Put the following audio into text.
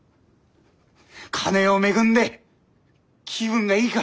金を恵んで気分がいいか？